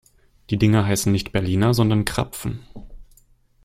Die Dinger heißen nicht Berliner, sondern Krapfen.